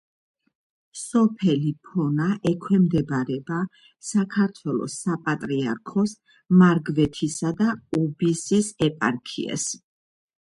სოფელი ფონა ექვემდებარება საქართველოს საპატრიარქოს მარგვეთისა და უბისის ეპარქიას.